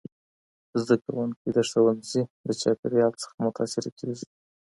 زدهکوونکي د ښوونځي د چاپېریال څخه متاثره کيږي.